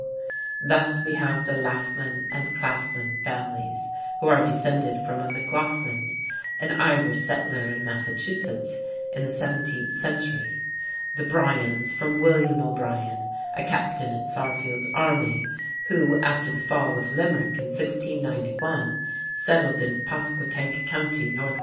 Thus we have the Laflin and Claflin families, who are descended from a McLaughlin, an Irish settler in Massachusetts in the seventeenth century; the Bryans from William O'Brian, a captain in Sarsfield's army, who, after the fall of Limerick in 1691, settled in Pasquetank County, N.C.